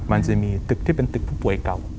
มันจะมีตึกที่เป็นตึกผู้ป่วยเก่า